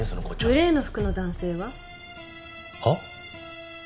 グレーの服の男性は？はっ？